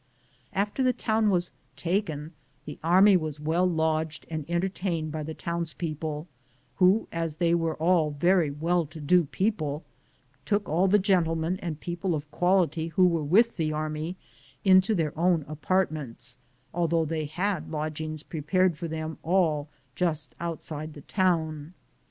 After the town was taken, the army was well lodged and entertained by the towns people, who, as they were all very well to do people, took all the gentlemen and people of quality who were with the army into then own apartments, although they had lodgings prepared for them all just outside the town.